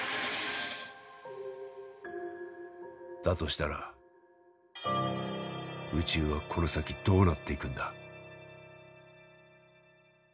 だとしたら宇宙はこの先どうなっていくんだ？